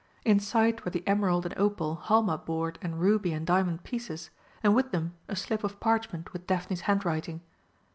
Inside were the emerald and opal "halma" board and ruby and diamond pieces, and with them a slip of parchment with Daphne's handwriting.